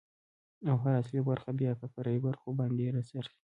، او هر اصلي برخه بيا په فرعي برخو باندې را څرخي.